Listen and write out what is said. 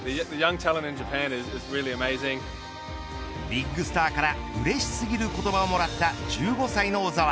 ビッグスターからうれしすぎる言葉をもらった１５歳の小澤。